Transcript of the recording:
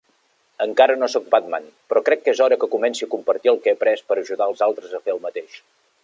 Encara no soc Batman, però crec que és hora que comenci a compartir el que he après per ajudar als altres a fer el mateix.